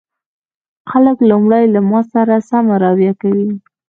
خلک لومړی له ما سره سمه رويه کوي